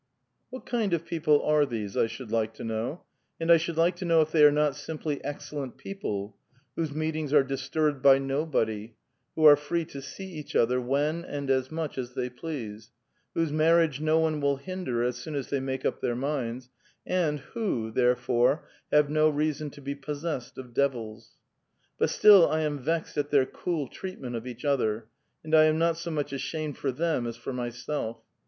What kind of people arc these, I should like to know ; and I should like to know if they are not simply excellent people, whose meetings are disturbed by nobo<ly, who are free to see each other when and as much as they please, whose mar riage no one will hinder as soon as they make up their minds, and who, therefore, have no reason to be possessed of devils. But still I am vexed at their cool treatment of each other, and I am not as much ashamed for them as for mvself.